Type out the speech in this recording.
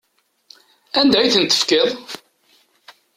Anda i tent-tefkiḍ?